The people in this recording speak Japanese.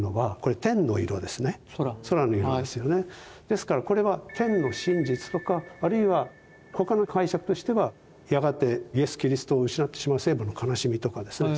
ですからこれは天の真実とかあるいは他の解釈としてはやがてイエス・キリストを失ってしまう聖母の悲しみとかですね